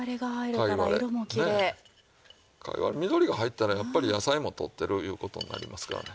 かいわれ緑が入ったらやっぱり野菜もとってるいう事になりますからね。